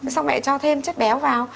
xong mẹ cho thêm chất béo vào